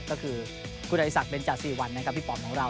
ก็คือคุณอาฬิสัตว์เบนจาสี่วันพี่ปอมของเรา